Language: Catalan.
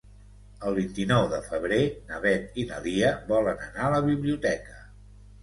El vint-i-nou de febrer na Beth i na Lia volen anar a la biblioteca.